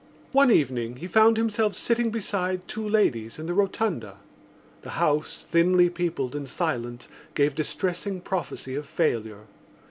One evening he found himself sitting beside two ladies in the Rotunda. The house, thinly peopled and silent, gave distressing prophecy of failure.